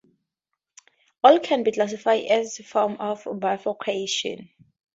All can be classified as forms of bifurcation.